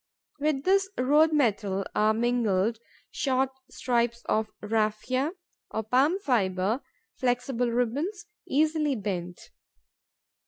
With this road metal are mingled short strips of raphia, or palm fibre, flexible ribbons, easily bent.